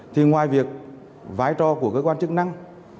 thì ngoài việc vai trò của cơ quan chức năng